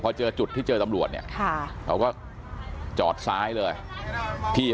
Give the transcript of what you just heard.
พอเจอจุดที่เจอตำรวจเนี่ย